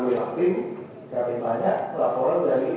tidak pernah tidak pernah